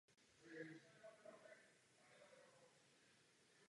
Rogers byl dvakrát jmenován guvernérem na Bahamách.